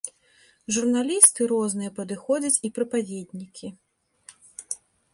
Журналісты розныя падыходзяць і прапаведнікі.